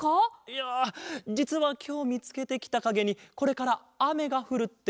いやじつはきょうみつけてきたかげにこれからあめがふるっておそわってなあ。